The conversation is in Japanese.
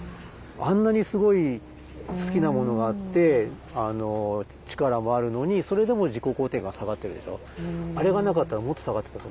あんなにすごい好きなものがあって力もあるのにそれでも自己肯定感下がってるでしょ？